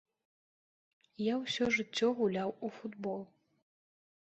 Я ўсё жыццё гуляў у футбол.